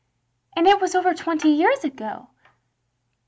And it was over twenty years ago!